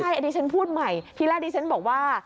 ใช่อันนี้ฉันพูดใหม่ที่แรกดิฉันบอกว่า